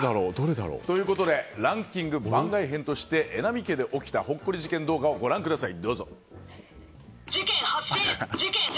ということでランキング番外編として榎並家で起きたほっこり事件動画をご覧ください。